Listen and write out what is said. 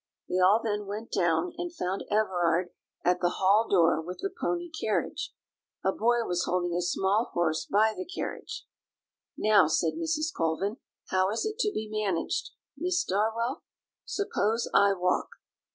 They all then went down, and found Everard at the hall door with the pony carriage. A boy was holding a small horse by the carriage. "Now," said Mrs. Colvin, "how is it to be managed, Miss Darwell? Suppose I walk?"